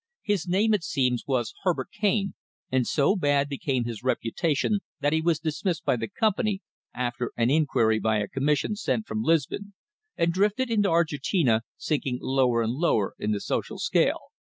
His name, it seems, was Herbert Cane, and so bad became his reputation that he was dismissed by the company after an inquiry by a commission sent from Lisbon, and drifted into Argentina, sinking lower and lower in the social scale."